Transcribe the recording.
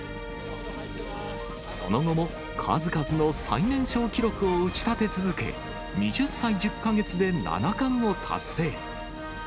その後も数々の最年少記録を打ち立て続け、２０歳１０か月で七冠を達成。